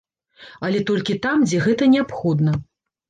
Але толькі там, дзе гэта неабходна.